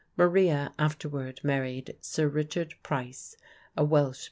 Maria afterward married Sir Richard Pryse, a Welsh baronet.